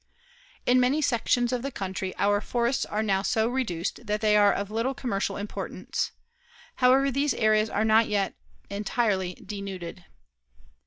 In many sections of the country our forests are now so reduced that they are of little commercial importance. However, these areas are not yet entirely denuded.